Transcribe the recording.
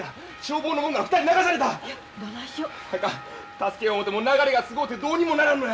助けよう思ても流れがすごうてどうにもならんのや！